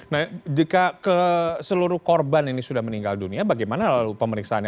nah jika seluruh korban ini sudah meninggal dunia bagaimana lalu pemeriksaannya